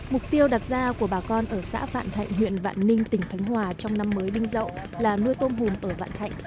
mục tiêu đặt ra của bà con ở xã vạn thạnh huyện vạn ninh tỉnh khánh hòa trong năm mới đi dậu là nuôi tôm hùm ở vạn thạnh